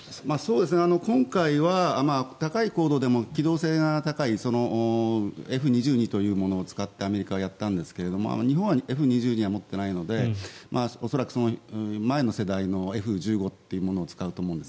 今回は高い高度でも機動性が高いＦ２２というものを使ってアメリカはやったんですが日本はＦ２２は持ってないので恐らく、その前の世代のＦ１５というものを使うと思うんです。